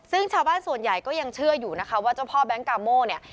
ซึ่งชาวบ้านส่วนใหญ่ก็ยังเชื่ออยู่นะคะว่าเจ้าพ่อแก๊งกาโม่เนี่ย